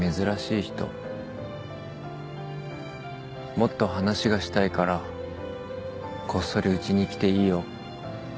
もっと話がしたいからこっそりうちに来ていいよ。